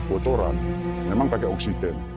bocoran memang pakai oksigen